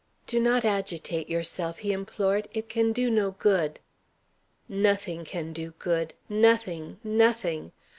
"Do not agitate yourself," he implored. "It can do no good." "Nothing can do good: nothing, nothing.